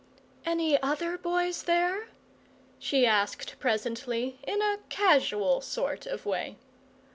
"Any other boys there?" she asked presently, in a casual sort of way.